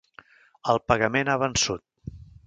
El pagament ha vençut.